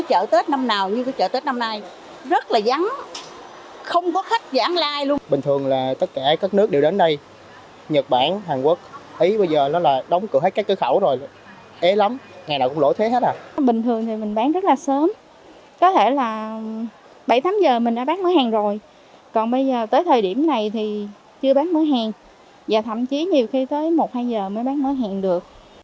tới thời điểm này thì chưa bán mối hẹn và thậm chí nhiều khi tới một hai giờ mới bán mối hẹn được